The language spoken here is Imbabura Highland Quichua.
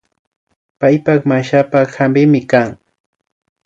Paypak mashaka hampikmi kan